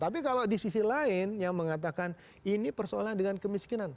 tapi kalau di sisi lain yang mengatakan ini persoalan dengan kemiskinan